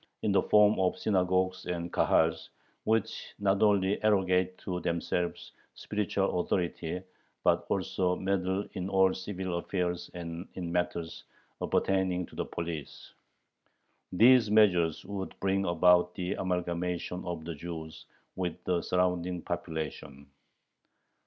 in the form of synagogues and Kahals, which not only arrogate to themselves spiritual authority, but also meddle in all civil affairs and in matters appertaining to the police." These measures would bring about the amalgamation of the Jews with the surrounding population.